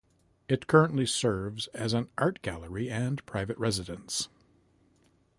It currently serves as an art gallery and private residence.